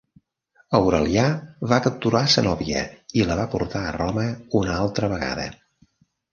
Aurelià va capturar a Zenòbia, i la va portar a Roma una altra vegada.